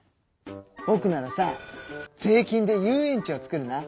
ぼくならさ税金で遊園地を作るな！